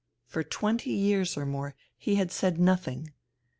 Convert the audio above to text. For twenty years or more he had said nothing.